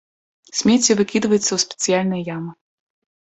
Смецце выкідваецца ў спецыяльныя ямы.